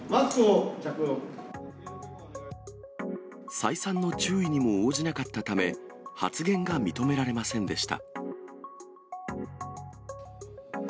再三の注意にも応じなかったため、発言が認められませんでした。